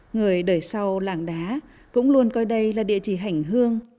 người đời sau làng đá cũng luôn coi đây là địa chỉ hành hương